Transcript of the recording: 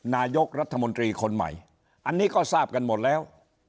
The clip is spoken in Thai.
นายกรัฐมนตรีคนใหม่อันนี้ก็ทราบกันหมดแล้ว